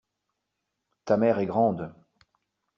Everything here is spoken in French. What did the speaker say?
Ta mère est grande.